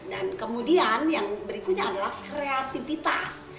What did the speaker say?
dan kemudian yang berikutnya adalah kreativitas